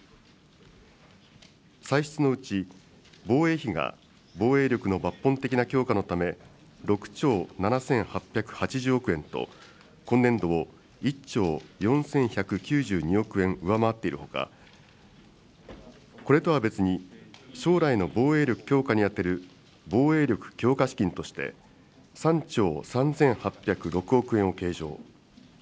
歳出のうち、防衛費が防衛力の抜本的な強化のため、６兆７８８０億円と、今年度を１兆４１９２億円上回っているほか、これとは別に、将来の防衛力強化に充てる防衛力強化資金として、３兆３８０６億円を計上。